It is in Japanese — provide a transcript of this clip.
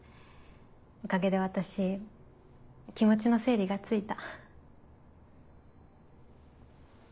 おかげで私気持ちの整理がついた。